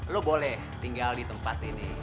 lo boleh tinggal di tempat ini